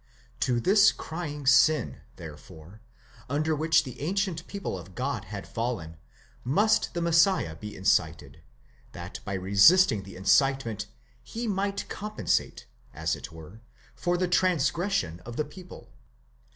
To this crying sin, therefore, under which the ancient people of God had fallen, must the Messiah be incited, that by resisting the incitement he might com pensate, as it were, for the transgression of the people.